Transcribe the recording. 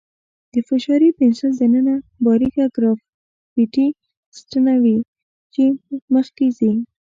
د فشاري پنسل دننه باریکه ګرافیتي ستنه وي چې مخکې ځي.